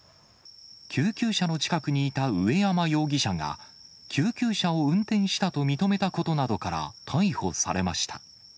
救急車の近くにいた上山容疑者が、救急車を運転したと認めたことなどから逮捕されました。